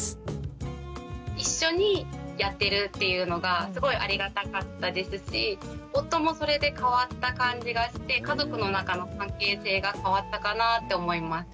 一緒にやってるっていうのがすごいありがたかったですし夫もそれで変わった感じがして家族の中の関係性が変わったかなって思います。